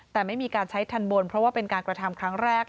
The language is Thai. แต่ไม่มีการใช้ทันบนเพราะว่าเป็นการกระทำครั้งแรก